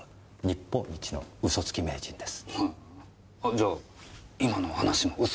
じゃ今の話も嘘？